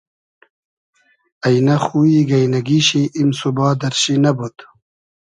اݷنۂ خویی گݷنئگی شی ایم سوبا دئرشی نئبود